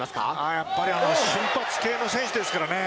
やっぱり瞬発系の選手ですからね。